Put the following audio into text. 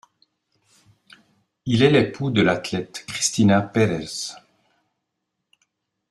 Il est l'époux de l'athlète Cristina Pérez.